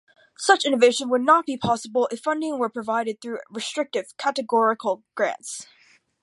Such innovation would not be possible if funding were provided through restrictive categorical grants.